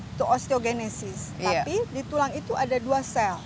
itu osteogenesis tapi di tulang itu ada dua sel